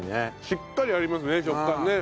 しっかりありますね食感ね。